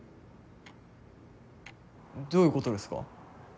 どういうことですか？